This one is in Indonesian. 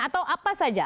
atau apa saja